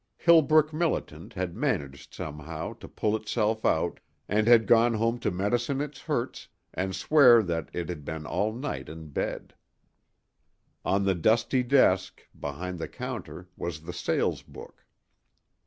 Hillbrook militant had managed somehow to pull itself out and had gone home to medicine its hurts and swear that it had been all night in bed. On the dusty desk, behind the counter, was the sales book.